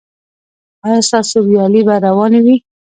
ایا ستاسو ویالې به روانې وي؟